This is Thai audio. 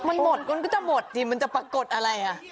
มันหมดคุณก็จะหมดจริงมันจะปรากฏอะไร